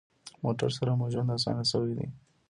موټر سره مو ژوند اسانه شوی دی.